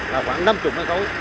là khoảng năm mươi mấy khối